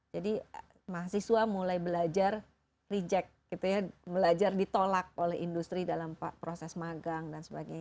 jadi mahasiswa mulai belajar reject gitu ya belajar ditolak oleh industri dalam proses magang dan sebagainya